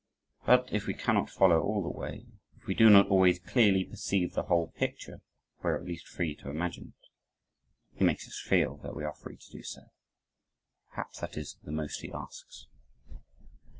But if we can not follow all the way if we do not always clearly perceive the whole picture, we are at least free to imagine it he makes us feel that we are free to do so; perhaps that is the most he asks.